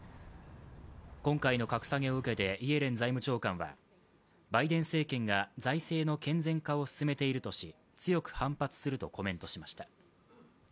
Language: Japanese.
今回の格下げを受けてイエレン財務長官は、バイデン政権が財政の健全化を進めているとし強く反発するとコメントしました。